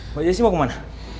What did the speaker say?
mbak jessy mau kemana